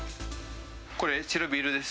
これ、白ビールです。